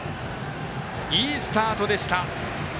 いいスタートでした。